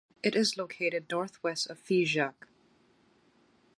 It is located northwest of Figeac.